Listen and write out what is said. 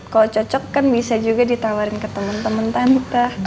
kalau cocok kan bisa juga ditawarin ke temen temen tante